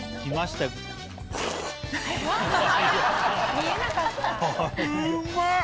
見えなかった。